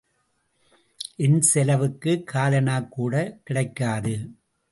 என் செலவுக்குக் காலணாக்கூட கிடைக் காது.